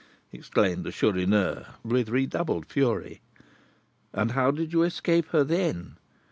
exclaimed the Chourineur, with redoubled fury. "And how did you escape her then?"